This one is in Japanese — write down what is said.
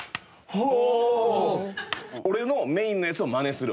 俺のメインのやつをマネする。